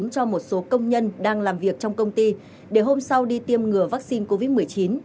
cho một số công nhân đang làm việc trong công ty để hôm sau đi tiêm ngừa vaccine covid một mươi chín